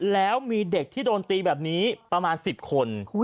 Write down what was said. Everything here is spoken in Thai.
แล้วมีเด็กที่โดนตีแบบนี้ประมาณ๑๐คน